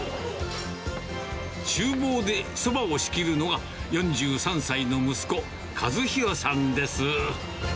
ちゅう房でそばを仕切るのが、４３歳の息子、和宏さんです。